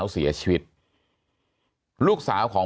มีความรู้สึกว่า